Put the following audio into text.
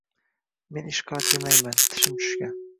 Men ishkalad yemayman, tishim tushgan.